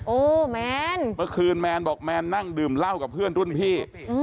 แมนเมื่อคืนแมนบอกแมนนั่งดื่มเหล้ากับเพื่อนรุ่นพี่